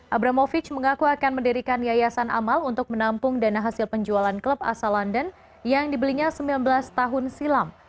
abramovic mengaku akan mendirikan yayasan amal untuk menampung dana hasil penjualan klub asal london yang dibelinya sembilan belas tahun silam